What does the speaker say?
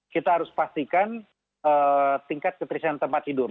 kita harus pastikan tingkat keterisian tempat tidur